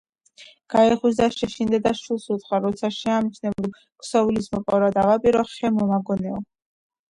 გაეღვიძა, შეშინდა და შვილს უთხრა: როცა შემამჩნევ რომ ქსოვილის მოპარვა დავაპირო, ხე მომაგონეო!